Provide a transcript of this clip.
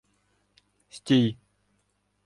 — Стій!